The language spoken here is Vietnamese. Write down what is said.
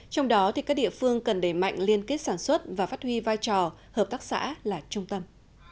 trong đó các địa phương cần đẩy mạnh liên kết sản xuất và phát huy vai trò hợp tác xã là trung tâm